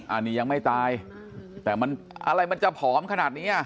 อันนี้ยังไม่ตายแต่มันอะไรมันจะผอมขนาดนี้อ่ะ